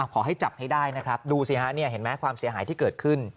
ขอให้จับให้ได้นะครับดูสิฮะเห็นไหมความเสียหายที่เกิดขึ้น